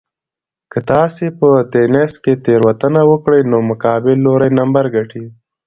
که تاسي په تېنس کې تېروتنه وکړئ نو مقابل لوری نمبر ګټي.